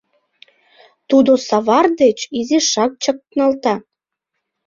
Тудо савар деч изишак чакналта.